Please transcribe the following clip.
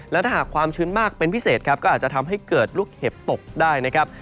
และถ้าหากความชื้นมากเป็นพิเศษครับก็อาจจะทำให้เกิดลูกเห็บตกได้นะครับ